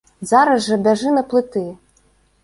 Зараз жа бяжы на плыты.